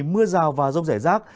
mưa rào và rông rẻ rác